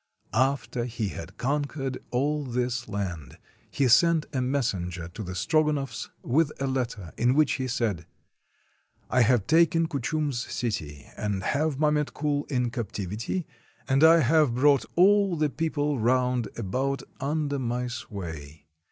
After he had conquered all this land, he sent a messen ger to the Strogonoffs with a letter, in which he said :— "I have taken Kuchum's city, and have Mametkul in captivity, and I have brought all the people round about under my sway.